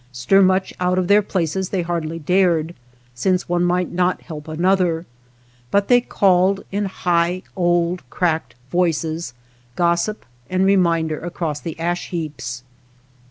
Stir much out of their places they hardly dared, since one might not help another; but they called, in high, old cracked voices, gossip and reminder across the ash heaps.